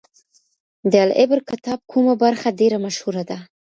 د العبر کتاب کومه برخه ډیره مشهوره ده؟